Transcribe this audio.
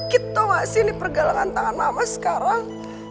gitu gak sih ini pergelangan tangan mama sekarang